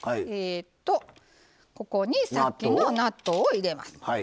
ここにさっきの納豆を入れます。